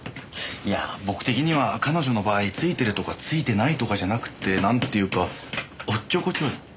いや僕的には彼女の場合ツイてるとかツイてないとかじゃなくってなんていうかおっちょこちょい。